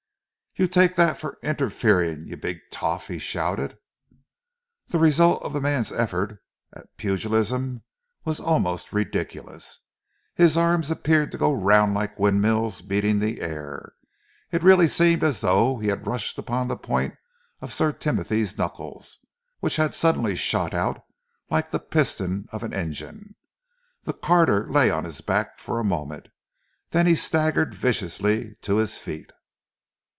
"You take that for interferin', you big toff!" he shouted. The result of the man's effort at pugilism was almost ridiculous. His arms appeared to go round like windmills beating the air. It really seemed as though he had rushed upon the point of Sir Timothy's knuckles, which had suddenly shot out like the piston of an engine. The carter lay on his back for a moment. Then he staggered viciously to his feet.